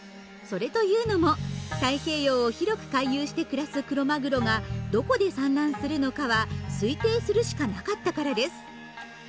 それというのも太平洋を広く回遊して暮らすクロマグロがどこで産卵するのかは推定するしかなかったからです。